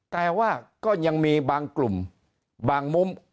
แต่ว่าก็ยังมีบางกลุ่มบางมุม